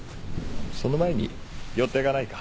その前に寄ってかないか。